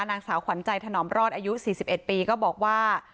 นางสาวขวัญใจถนอมรอดอายุ๔๑ปีก็บอกว่า